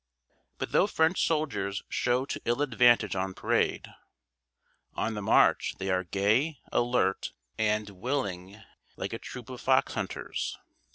But though French soldiers show to ill advantage on parade, on the march they are gay, alert, and willing like a troop of fox hunters.